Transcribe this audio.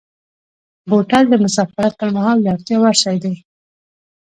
بوتل د مسافرت پر مهال د اړتیا وړ شی دی.